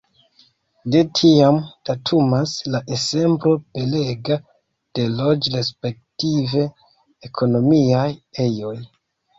De tiam datumas la ensemblo belega de loĝ- respektive ekonomiaj ejoj.